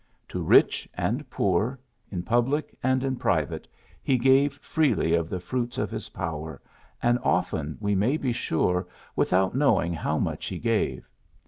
To rich and poor, in public and in private, he gave freely of the fruits of this power, and often, we may be sure, without knowing how much he gave.